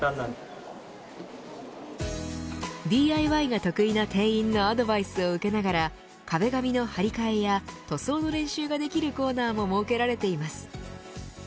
ＤＩＹが得意な店員のアドバイスを受けながら壁紙の張り替えや塗装の練習ができるコーナーも設けられています。